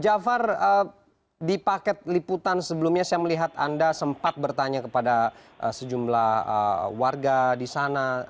jafar di paket liputan sebelumnya saya melihat anda sempat bertanya kepada sejumlah warga di sana